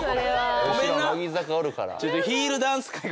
後ろ乃木坂おるから。